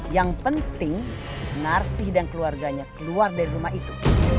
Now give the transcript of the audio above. yang penting narsih dan keluarganya keluar dari rumah itu